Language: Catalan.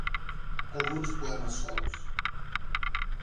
Alguns poemes solts.